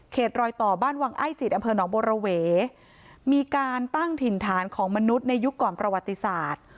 รอยต่อบ้านวังไอ้จิตอำเภอหนองบัวระเวมีการตั้งถิ่นฐานของมนุษย์ในยุคก่อนประวัติศาสตร์